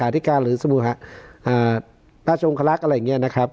อาทิกาหรือสมุหาอ่าราชวงศ์ภารกษ์อะไรอย่างเงี้ยนะครับ